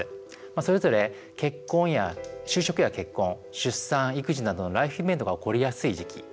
それぞれ、就職や結婚、出産育児などのライフイベントが起こりやすい時期。